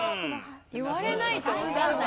言われないとわかんない。